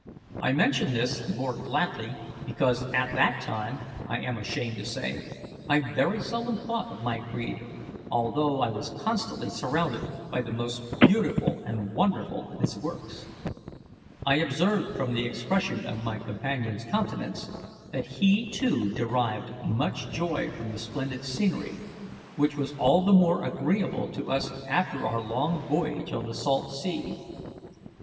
I mention this the more gladly, because at that time, I am ashamed to say, I very seldom thought of my Creator, although I was constantly surrounded by the most beautiful and wonderful of His works. I observed, from the expression of my companion's countenance, that he too derived much joy from the splendid scenery, which was all the more agreeable to us after our long voyage on the salt sea.